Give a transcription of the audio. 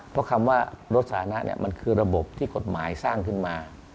เพราะคำว่ารถสาธารณะมันคือระบบที่กฎหมายสร้างขึ้นมา